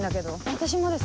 私もです。